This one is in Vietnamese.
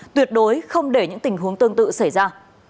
tuyệt đối không để những tình huống tương tự xảy ra